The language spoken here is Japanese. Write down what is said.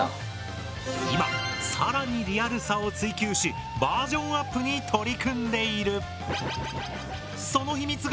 今更にリアルさを追求しバージョンアップに取り組んでいる。